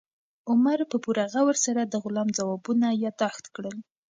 عمر په پوره غور سره د غلام ځوابونه یاداښت کړل.